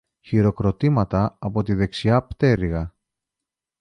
Χειροκροτήματα από τη δεξιά πτέρυγα